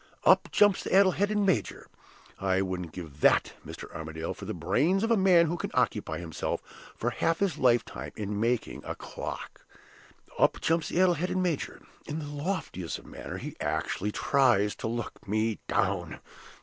Up jumps the addle headed major (I wouldn't give that, Mr. Armadale, for the brains of a man who can occupy himself for half his lifetime in making a clock!) up jumps the addle headed major, in the loftiest manner, and actually tries to look me down.